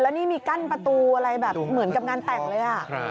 แล้วนี่มีกั้นประตูอะไรแบบเหมือนกับงานแต่งเลย